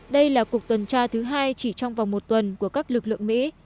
đây là cuộc tuần tra thứ hai chỉ trong vòng một tuần của các lực lượng mỹ